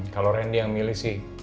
kalau randy yang milih sih